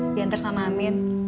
diantar sama amin